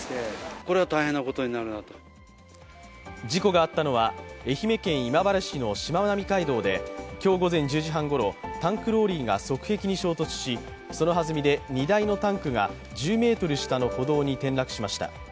事故があったのは愛媛県今治市のしまなみ海道で、今日午前１０時半ごろタンクローリーが側壁に衝突しその弾みで荷台のタンクが１０ｍ下の歩道に転落しました。